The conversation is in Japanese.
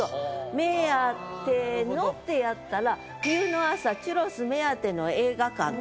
「目当ての」ってやったら「冬の朝チュロス目当ての映画館」って。